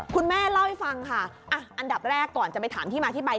คุณแม่เล่าให้ฟังค่ะอันดับแรกก่อนจะไปถามที่มาที่ไป